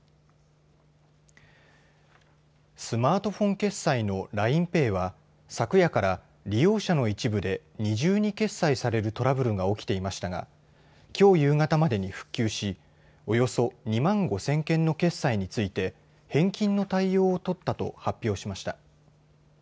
スマートフォン決済のＬＩＮＥＰａｙは昨夜から、利用者の一部で二重に決済されるトラブルが起きていましたがきょう夕方までに復旧しおよそ２万５０００件の決済について返金の対応を取ったと発表しました。